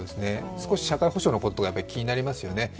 少し社会保障のことが気になりますよね。